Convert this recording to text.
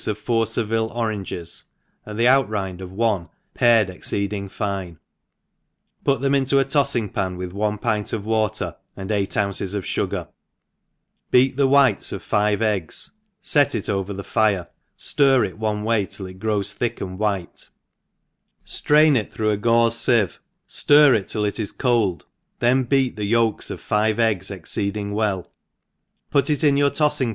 of four Seville oranges, and the out rind of one pared exceeding fine, put them into a tofljng pan with one pint of water, and eight ounces of fugar, beat the whites of (ive eggs, fet it over the fire, flir it one way till it grows thick and white, drain it through a gauze fieve, ftir it till it is cold, then beat the yolks of five €ggs exceeding well, put it in your to&ng ^ pa» ENGLISH HOtJSE.KEE; PEfe.